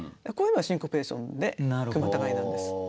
こういうのはシンコペーションで句またがりなんです。